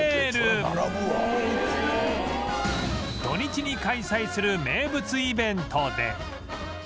土日に開催する名物イベントで